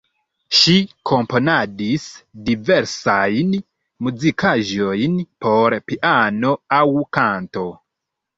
Ŝi komponadis diversajn muzikaĵojn por piano aŭ kanto.